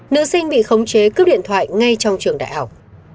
nữ sinh bị khống chế cướp điện thoại ngay trong trường đại học